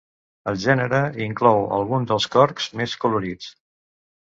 El gènere inclou alguns dels corcs més colorits.